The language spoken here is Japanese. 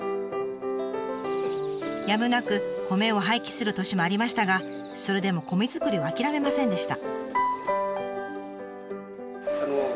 やむなく米を廃棄する年もありましたがそれでも米作りを諦めませんでした。